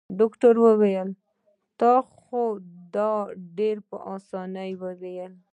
ډاکټر وويل تا خو دا ډېر په اسانه وويل.